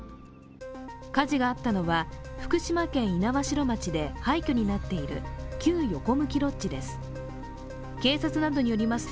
火事があったのは福島県猪苗代町で廃虚になっている旧横向ロッジです。